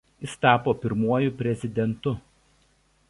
Jis tapo pirmuoju prezidentu.